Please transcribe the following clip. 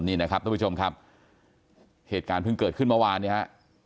นี่นะครับทุกผู้ชมครับเหตุการณ์เพิ่งเกิดขึ้นเมื่อวานเนี่ยฮะ